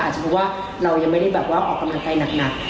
อาจจะเพราะว่าเรายังไม่ได้แบบว่าออกกำลังกายหนัก